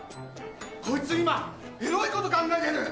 こいつ今エロいこと考えてる！